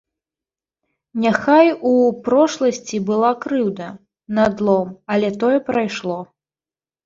Няхай у прошласці была крыўда, надлом, але тое прайшло.